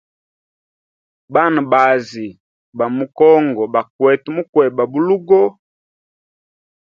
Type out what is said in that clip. Bana baazi ba mu congo bakwete mukweba bulugo.